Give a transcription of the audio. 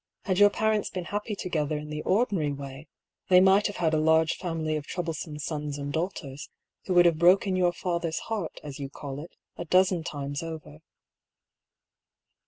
"Had your parents been happy together in the 120 I>R. PAULL'S THEORY. ordinary way, they might have had a large family of troublesome sons and daughters, who would have broken your father's heart, as yon call it, a dozen times over."